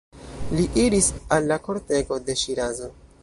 Li iris al la kortego de Ŝirazo.